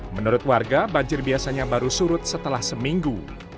menurut warga banjir biasanya baru surut setelah seminggu